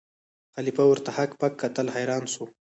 خلیفه ورته هک پک کتل حیران سو